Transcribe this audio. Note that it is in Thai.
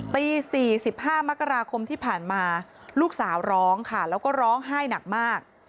ตี๔๕มกราคมที่ผ่านมาลูกสาวร้องค่ะแล้วก็ร้องไห้หนักมาก